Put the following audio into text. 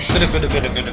duduk duduk duduk